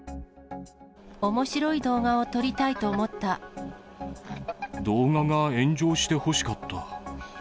おもしろい動画を撮りたいと動画が炎上してほしかった。